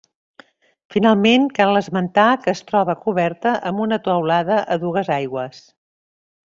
Finalment, cal esmentar que es troba coberta amb una teulada a dues aigües.